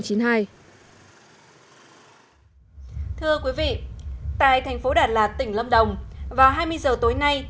thưa quý vị tại thành phố đà lạt tỉnh lâm đồng vào hai mươi giờ tối nay